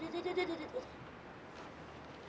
duh duh duh